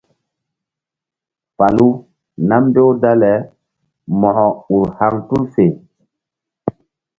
Falu nam mbew dale mo̧ko ur haŋ tul fe.